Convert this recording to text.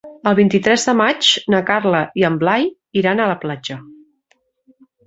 El vint-i-tres de maig na Carla i en Blai iran a la platja.